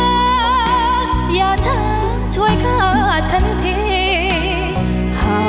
น้ำอาอย่าจะช่วยฆ่าฉันทิ้ง